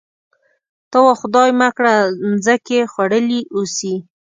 ته وا خدای مه کړه مځکې خوړلي اوسي.